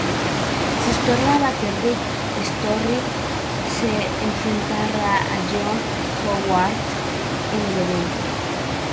Se esperaba que Rick Story se enfrentara a John Howard en el evento.